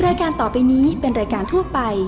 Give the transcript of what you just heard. รายการต่อไปนี้เป็นรายการทั่วไป